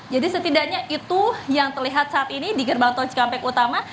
jadi setidaknya itu yang terlihat saat ini di gerbang tol ckp kutama